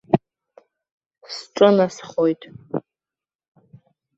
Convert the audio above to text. Сҿынасхоит.